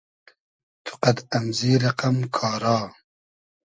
تو قئد امزی رئقئم کارا